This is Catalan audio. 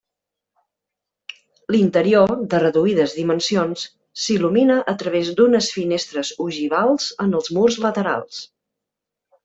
L'interior, de reduïdes dimensions, s'il·lumina a través d'unes finestres ogivals en els murs laterals.